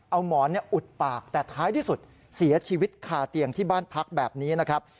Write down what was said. เอาหมอนอุดปากแต่ท้ายที่สุดเสียชีวิตคาเตียงที่บ้านพักแบบนี้นะครับ